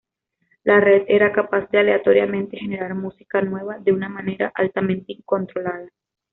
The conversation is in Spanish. La red era capaz de, aleatoriamente, generar música nueva de una manera altamente incontrolada.